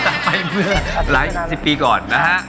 ไปเมื่อหลายสิบปีก่อนนะฮะ